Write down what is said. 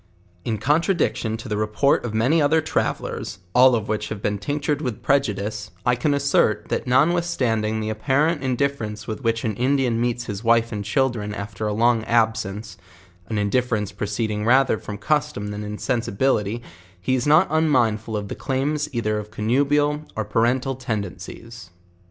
In contradiction to the report of many other travellers, all of which have been tinctured with prejudice, I can assert, that notwithstanding the apparent indifference with which an Indian meets his wife and children after a long abscence, an indifference proceeding rather from custom than insensi 106 JOURNAL OF bility, lie is not unmindfil of tho cl'iirrio eith : of or parental tenderness.